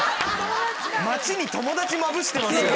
街に友達まぶしてますよね。